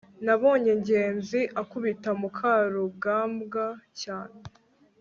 nabonye ngenzi akubita mukarugambwa cyane